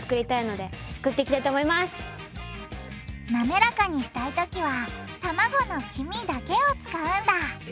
なめらかにしたいときはたまごの黄身だけを使うんだえ！